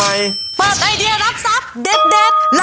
เปิดไอเดียรับทรัพย์เด็ด